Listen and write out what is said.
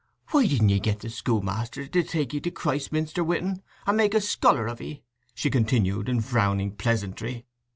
… "Why didn't ye get the schoolmaster to take 'ee to Christminster wi' un, and make a scholar of 'ee," she continued, in frowning pleasantry.